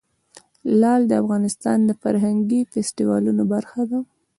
لعل د افغانستان د فرهنګي فستیوالونو برخه ده.